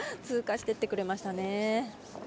通過していってくれましたね。